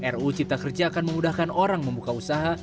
ruu cipta kerja akan memudahkan orang membuka usaha